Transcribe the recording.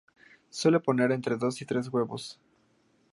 Suele poner entre dos y tres huevos.